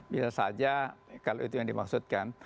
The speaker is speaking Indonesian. bisa saja kalau itu yang dimaksudkan